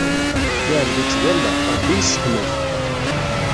Lɛebd ittgalla, Ṛebbi isseḥnat.